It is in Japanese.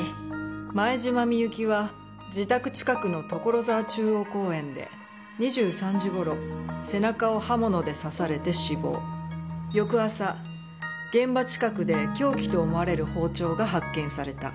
「前島美雪は自宅近くの所沢中央公園で２３時頃背中を刃物で刺されて死亡」「翌朝現場近くで凶器と思われる包丁が発見された」